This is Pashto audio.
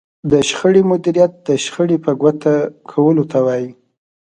د شخړې مديريت د شخړې په ګوته کولو ته وايي.